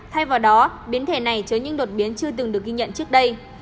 thay vào đó biến thể này chứa những đột biến chưa từng được ghi nhận trước đây